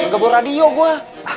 gak boleh radio gue